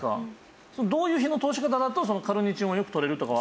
どういう火の通し方だとカルニチンをよくとれるとかは。